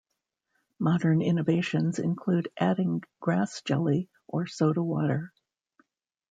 Modern innovations include adding grass jelly or soda water.